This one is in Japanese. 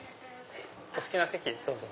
お好きな席どうぞ。